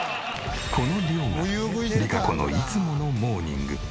この量がりかこのいつものモーニング。